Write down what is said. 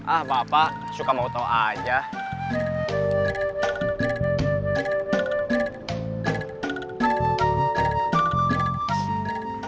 ah bapak suka mau tau aja